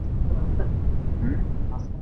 মুসলিমরা প্রধানত দুইটি উৎসব পালন করে থাকেন।